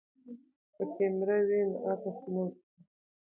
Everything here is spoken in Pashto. که کیمره وي نو عکس نه ورکیږي.